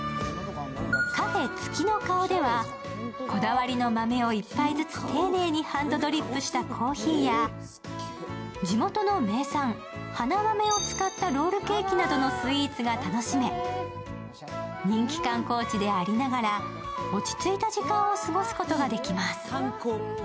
カフェ月の貌では、こだわりの豆を１杯ずつ丁寧にハンドドリップしたコーヒーや、地元の名産、花豆を使ったロールケーキなどが楽しめ、人気観光地でありながら落ち着いた時間を過ごすことができます。